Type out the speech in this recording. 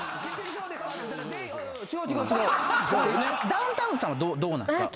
ダウンタウンさんはどうなんですか？